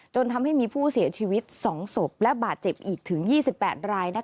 จนทำให้มีผู้เสียชีวิต๒ศพและบาดเจ็บอีกถึง๒๘ราย